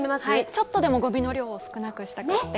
ちょっとでも、ごみの量を少なくしたくって。